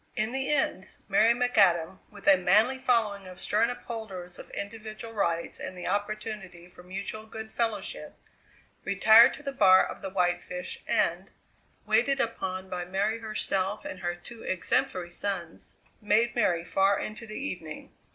In the end Mary McAdam, with a manly following of stern upholders of individual rights and the opportunity for mutual good fellowship, retired to the bar of the White Fish and, waited upon by Mary herself and her two exemplary sons, made merry far into the evening.